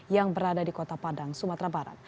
yang berada di kota padang sumatera barat